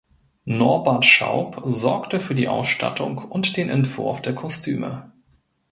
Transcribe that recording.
Norbert Schaub sorgte für die Ausstattung und den Entwurf der Kostüme.